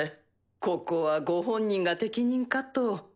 ここはご本人が適任かと。